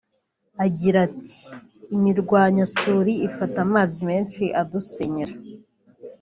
Agira ati “Imirwanyasuri ifata amazi menshi adusenyera